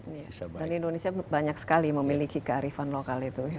dan indonesia banyak sekali memiliki kearifan lokal itu ya pak